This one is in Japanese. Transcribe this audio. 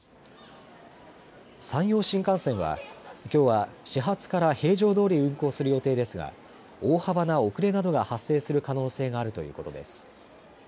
山陽新幹線はきょうは始発から平常どおり運行する予定ですが大幅な遅れなどが発生する可能性があるということです。